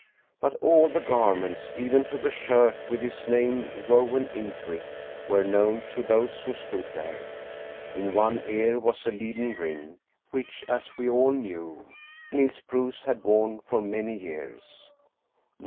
But all the garments, even to the shirt with his name woven into it, were known to those who stood there. In one ear was a leaden ring, which, as we all knew, Niels Bruus had worn for many years.